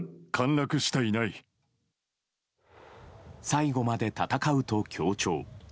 最後まで戦うと強調。